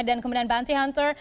dan kemudian bounty hunter